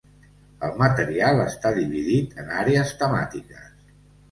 El material està dividit en àrees temàtiques.